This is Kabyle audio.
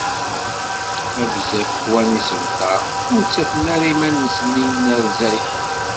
Ma bezzaf qwan yisebtar, ur ttafen ara iman-nsen yinerza-k.